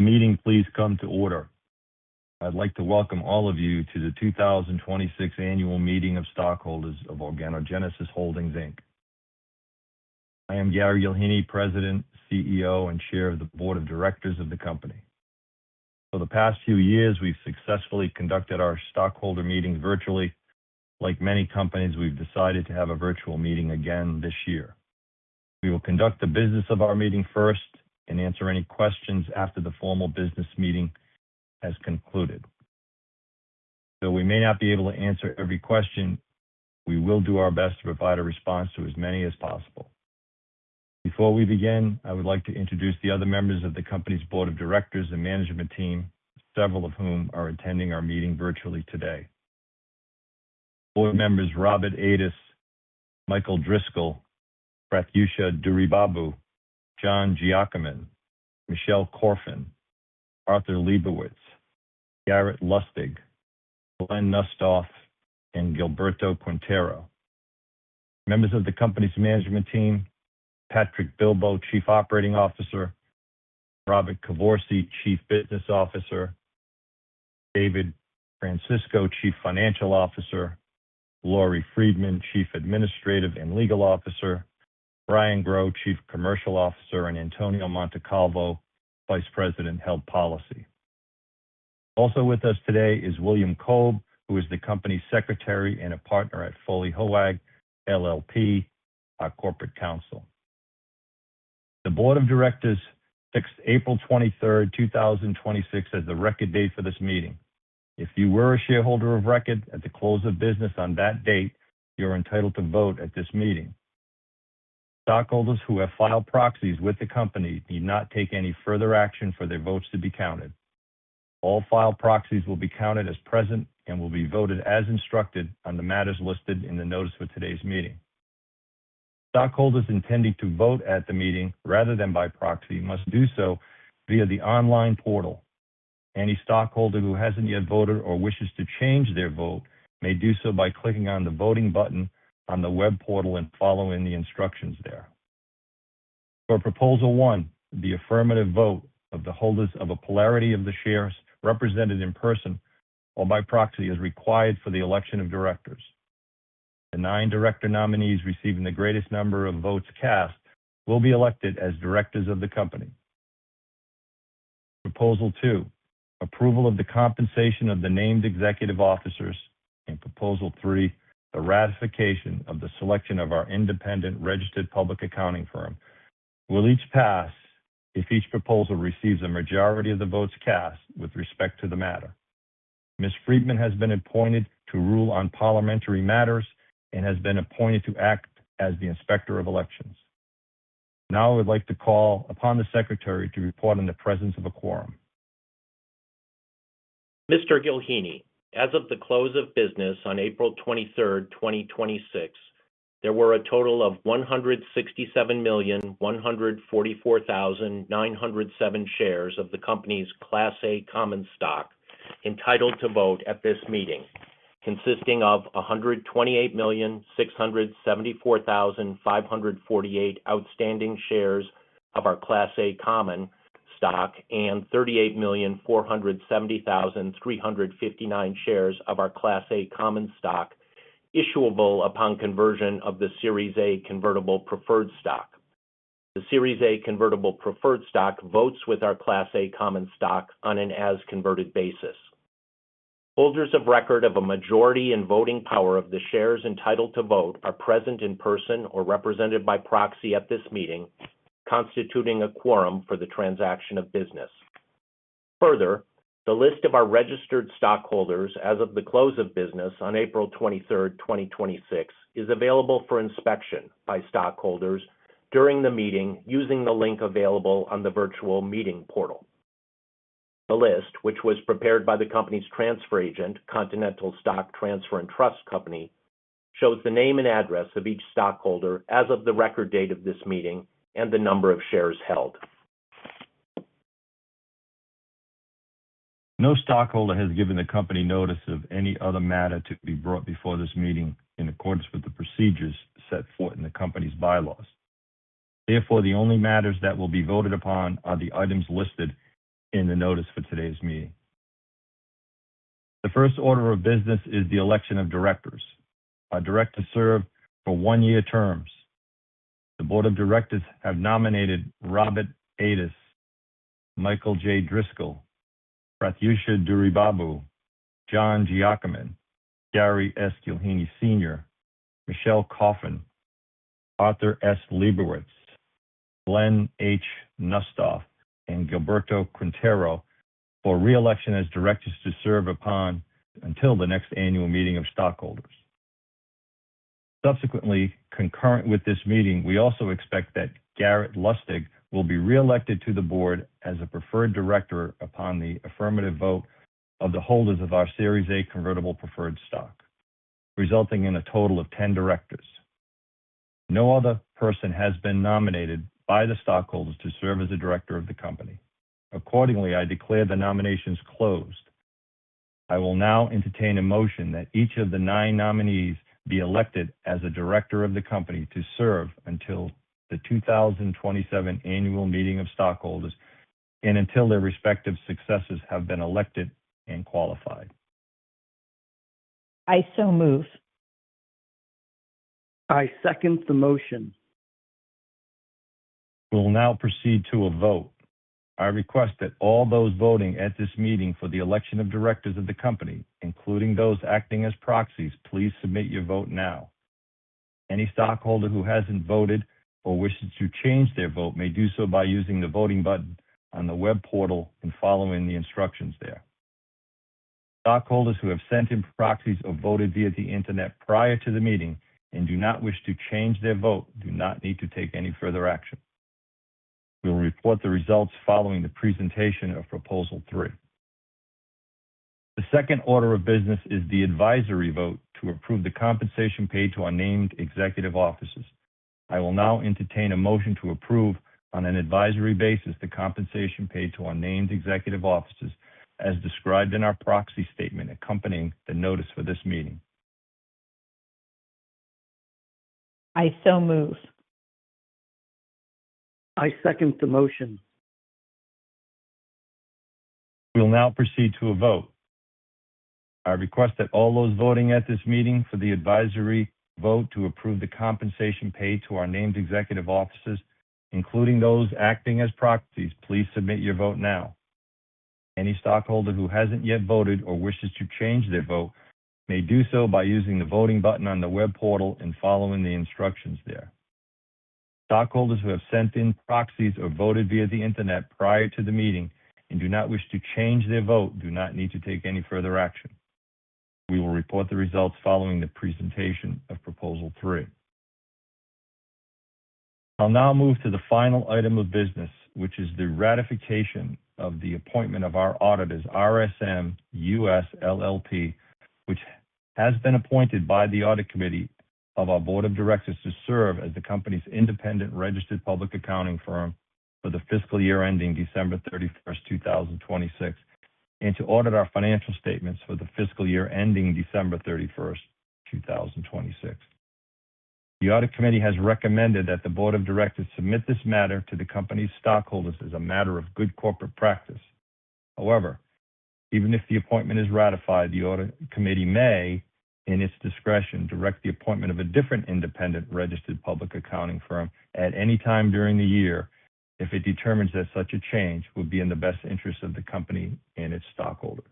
Will the meeting please come to order? I'd like to welcome all of you to the 2026 Annual Meeting of Stockholders of Organogenesis Holdings Inc. I am Gary Gillheeney, President, CEO, and Chair of the Board of Directors of the company. For the past few years, we've successfully conducted our stockholder meetings virtually. Like many companies, we've decided to have a virtual meeting again this year. We will conduct the business of our meeting first and answer any questions after the formal business meeting has concluded. Though we may not be able to answer every question, we will do our best to provide a response to as many as possible. Before we begin, I would like to introduce the other members of the company's board of directors and management team, several of whom are attending our meeting virtually today. Board members Robert Ades, Michael Driscoll, Prathyusha Duraibabu, Jon Giacomin, Michele Korfin, Arthur Leibowitz, Garrett Lustig, Glenn H. Nussdorf, and Gilberto Quintero. Members of the company's management team, Patrick Bilbo, Chief Operating Officer, Robert Cavorsi, Chief Business Officer, David Francisco, Chief Financial Officer, Lori Freedman, Chief Administrative and Legal Officer, Brian Grow, Chief Commercial Officer, and Antonio Montecalvo, Vice President, Health Policy. Also with us today is William Kolb, who is the company secretary and a partner at Foley Hoag LLP, our corporate counsel. The board of directors fixed April 23rd, 2026, as the record date for this meeting. If you were a shareholder of record at the close of business on that date, you're entitled to vote at this meeting. Stockholders who have filed proxies with the company need not take any further action for their votes to be counted. All filed proxies will be counted as present and will be voted as instructed on the matters listed in the notice for today's meeting. Stockholders intending to vote at the meeting rather than by proxy must do so via the online portal. Any stockholder who hasn't yet voted or wishes to change their vote may do so by clicking on the voting button on the web portal and following the instructions there. For Proposal One, the affirmative vote of the holders of a plurality of the shares represented in person or by proxy, as required for the election of directors. The nine director nominees receiving the greatest number of votes cast will be elected as directors of the company. Proposal Two, approval of the compensation of the named executive officers. Proposal Three, the ratification of the selection of our independent registered public accounting firm will each pass if each proposal receives a majority of the votes cast with respect to the matter. Ms. Freedman has been appointed to rule on parliamentary matters and has been appointed to act as the Inspector of Elections. Now I would like to call upon the Secretary to report on the presence of a quorum. Mr. Gillheeney, as of the close of business on April 23rd, 2026, there were a total of 167,144,907 shares of the company's Class A common stock entitled to vote at this meeting, consisting of 128,674,548 outstanding shares of our Class A common stock and 38,470,359 shares of our Class A common stock issuable upon conversion of the Series A convertible preferred stock. The Series A convertible preferred stock votes with our Class A common stock on an as-converted basis. Holders of record of a majority in voting power of the shares entitled to vote are present in person or represented by proxy at this meeting, constituting a quorum for the transaction of business. The list of our registered stockholders as of the close of business on April 23rd, 2026, is available for inspection by stockholders during the meeting using the link available on the virtual meeting portal. The list, which was prepared by the company's transfer agent, Continental Stock Transfer & Trust Company, shows the name and address of each stockholder as of the record date of this meeting and the number of shares held. No stockholder has given the company notice of any other matter to be brought before this meeting in accordance with the procedures set forth in the company's bylaws. The only matters that will be voted upon are the items listed in the notice for today's meeting. The first order of business is the election of directors. Our directors serve for one-year terms. The board of directors have nominated Robert Ades, Michael J. Driscoll, Prathyusha Duraibabu, Jon Giacomin, Gary S. Gillheeney Sr., Michele Korfin, Arthur S. Leibowitz, Glenn H. Nussdorf, and Gilberto Quintero for re-election as directors to serve until the next annual meeting of stockholders. Subsequently, concurrent with this meeting, we also expect that Garrett Lustig will be re-elected to the board as a preferred director upon the affirmative vote of the holders of our Series A convertible preferred stock, resulting in a total of 10 directors. No other person has been nominated by the stockholders to serve as a director of the company. I declare the nominations closed I will now entertain a motion that each of the nine nominees be elected as a director of the company to serve until the 2027 annual meeting of stockholders and until their respective successors have been elected and qualified. I so move. I second the motion. We will now proceed to a vote. I request that all those voting at this meeting for the election of directors of the company, including those acting as proxies, please submit your vote now. Any stockholder who hasn't voted or wishes to change their vote may do so by using the voting button on the web portal and following the instructions there. Stockholders who have sent in proxies or voted via the internet prior to the meeting and do not wish to change their vote do not need to take any further action. We will report the results following the presentation of proposal three. The second order of business is the advisory vote to approve the compensation paid to our named executive officers. I will now entertain a motion to approve, on an advisory basis, the compensation paid to our named executive officers as described in our proxy statement accompanying the notice for this meeting. I so move. I second the motion. We will now proceed to a vote. I request that all those voting at this meeting for the advisory vote to approve the compensation paid to our named executive officers, including those acting as proxies, please submit your vote now. Any stockholder who hasn't yet voted or wishes to change their vote may do so by using the voting button on the web portal and following the instructions there. Stockholders who have sent in proxies or voted via the internet prior to the meeting and do not wish to change their vote do not need to take any further action. We will report the results following the presentation of proposal three. I'll now move to the final item of business, which is the ratification of the appointment of our auditors, RSM US LLP, which has been appointed by the audit committee of our board of directors to serve as the company's independent registered public accounting firm for the fiscal year ending December 31st, 2026, and to audit our financial statements for the fiscal year ending December 31st, 2026. The audit committee has recommended that the board of directors submit this matter to the company's stockholders as a matter of good corporate practice. Even if the appointment is ratified, the audit committee may, in its discretion, direct the appointment of a different independent registered public accounting firm at any time during the year if it determines that such a change would be in the best interest of the company and its stockholders.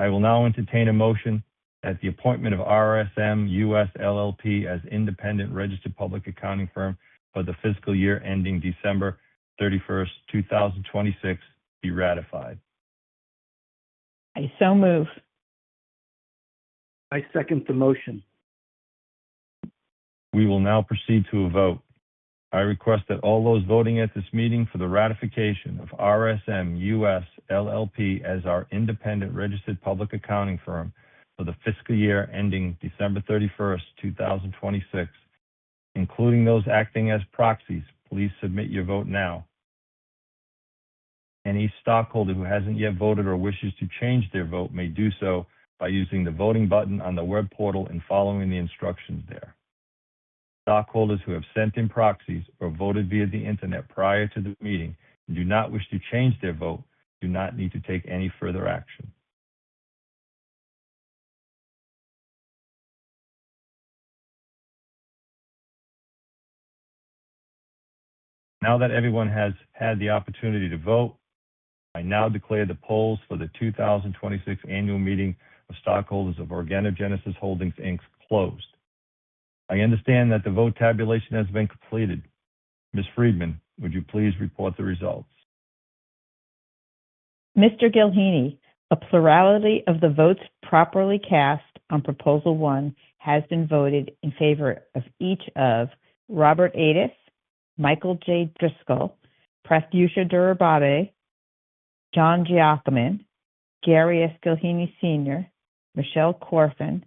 I will now entertain a motion that the appointment of RSM US LLP as independent registered public accounting firm for the fiscal year ending December 31st, 2026, be ratified. I so move. I second the motion. We will now proceed to a vote. I request that all those voting at this meeting for the ratification of RSM US LLP as our independent registered public accounting firm for the fiscal year ending December 31st, 2026, including those acting as proxies, please submit your vote now. Any stockholder who hasn't yet voted or wishes to change their vote may do so by using the voting button on the web portal and following the instructions there. Stockholders who have sent in proxies or voted via the internet prior to the meeting and do not wish to change their vote do not need to take any further action. Now that everyone has had the opportunity to vote, I now declare the polls for the 2026 annual meeting of stockholders of Organogenesis Holdings Inc. closed. I understand that the vote tabulation has been completed. Ms. Freedman, would you please report the results? Mr. Gillheeney, a plurality of the votes properly cast on proposal 1 has been voted in favor of each of Robert Ades, Michael J. Driscoll, Prathyusha Duraibabu, Jon Giacomin, Gary S. Gillheeney, Sr., Michele Korfin,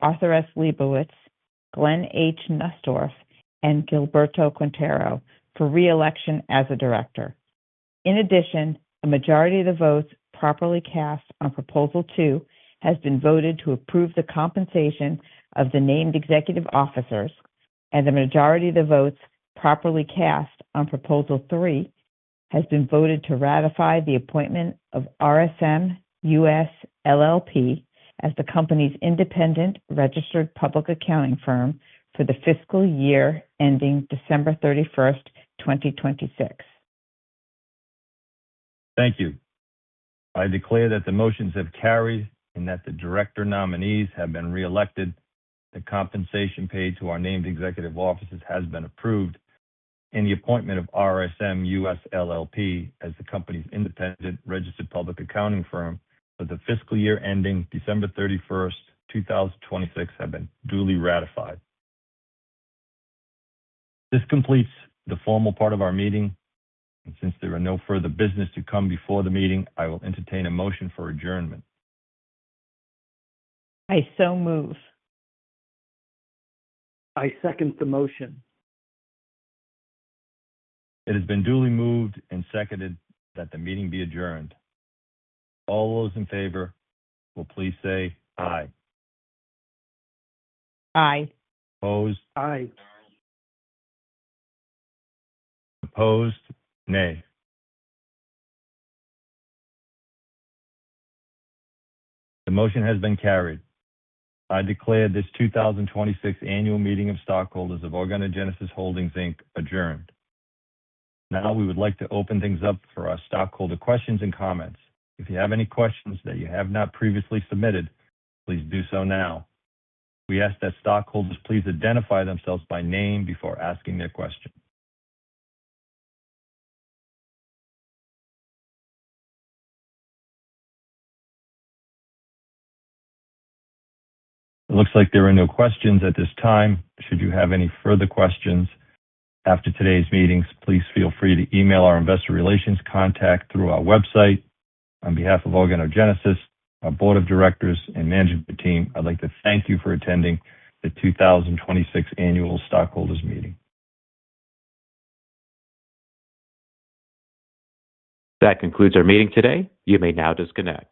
Arthur S. Leibowitz, Glenn H. Nussdorf, and Gilberto Quintero for re-election as a director. In addition, a majority of the votes properly cast on proposal 2 has been voted to approve the compensation of the named executive officers. The majority of the votes properly cast on proposal 3 has been voted to ratify the appointment of RSM US LLP as the company's independent registered public accounting firm for the fiscal year ending December 31st, 2026. Thank you. I declare that the motions have carried and that the director nominees have been re-elected, the compensation paid to our named executive officers has been approved, and the appointment of RSM US LLP as the company's independent registered public accounting firm for the fiscal year ending December 31st, 2026, have been duly ratified. This completes the formal part of our meeting. Since there are no further business to come before the meeting, I will entertain a motion for adjournment. I so move. I second the motion. It has been duly moved and seconded that the meeting be adjourned. All those in favor will please say, "Aye. Aye. Opposed? Aye. Opposed, nay. The motion has been carried. I declare this 2026 annual meeting of stockholders of Organogenesis Holdings Inc. adjourned. Now we would like to open things up for our stockholder questions and comments. If you have any questions that you have not previously submitted, please do so now. We ask that stockholders please identify themselves by name before asking their question. It looks like there are no questions at this time. Should you have any further questions after today's meetings, please feel free to email our investor relations contact through our website. On behalf of Organogenesis, our board of directors, and management team, I'd like to thank you for attending the 2026 Annual Stockholders' Meeting. That concludes our meeting today. You may now disconnect.